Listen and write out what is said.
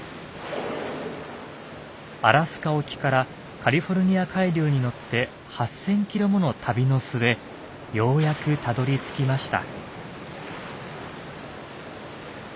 アラスカ沖からカリフォルニア海流に乗って８，０００キロもの旅の末ようやくたどりつきました。